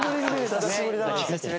久しぶりだな。